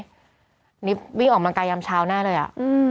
อันนี้วิ่งออกบางกายยามเช้าหน้าเลยอ่ะ